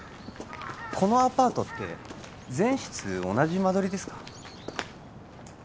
このアパートって全室同じ間取りですか？